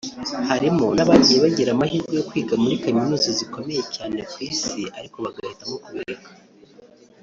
harimo n’abagiye bagira amahirwe yo kwiga muri kaminuza zikomeye cyane ku isi ariko bagahitamo kubireka